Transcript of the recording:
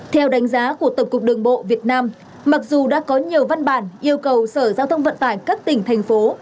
theo đánh giá của tổng cục đường bộ việt nam mặc dù đã có nhiều văn bản yêu cầu sở giao thông vận tải các tỉnh thành phố